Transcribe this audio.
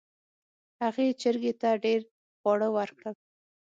هغې چرګې ته ډیر خواړه ورکړل.